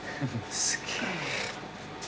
すっげえ。